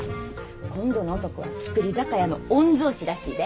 今度の男は造り酒屋の御曹子らしいで。